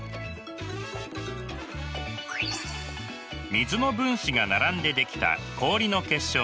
水の分子が並んで出来た氷の結晶です。